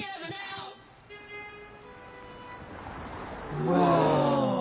うわ！